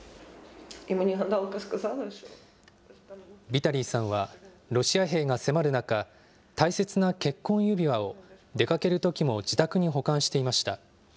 ビタリーさんは、ロシア兵が迫る中、大切な結婚指輪を出かけるときも自宅に保管していました。